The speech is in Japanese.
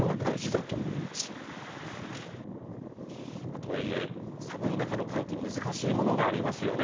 とはいえ、寒い中の換気、難しいものがありますよね。